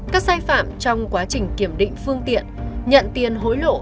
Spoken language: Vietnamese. các sai phạm trong quá trình kiểm định phương tiện nhận tiền hối lộ